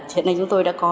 hiện nay chúng tôi đã có